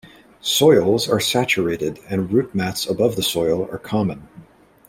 Soils are saturated and root mats above the soil are common.